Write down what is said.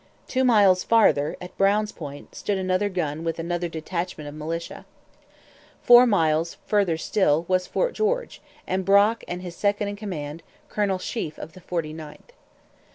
Two miles farther, at Brown's Point, stood another gun with another detachment of militia. Four miles farther still was Fort George, with Brock and his second in command, Colonel Sheaffe of the 49th.